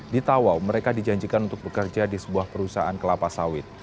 di tawau mereka dijanjikan untuk bekerja di sebuah perusahaan kelapa sawit